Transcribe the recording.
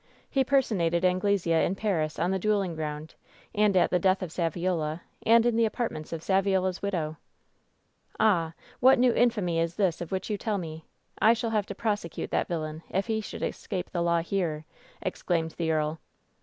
He personated Anglesea in Paris, on the dueling ground, and at the death of Saviola, and in the apartments of Saviola's widow !" "Ah ! what new infamy is this of which you tell me ? I shall have to prosecute that villain if he should escape the law here !" exclaimed the earl.